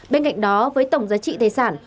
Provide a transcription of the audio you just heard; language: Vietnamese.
bên cạnh đó với tổng giá trị thầy sản